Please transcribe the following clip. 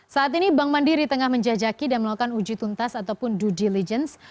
saat ini bank mandiri tengah menjajaki dan melakukan uji tuntas ataupun due diligence